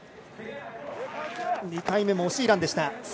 ２回目も惜しいランでした。